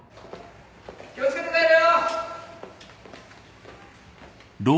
気を付けて帰れよ！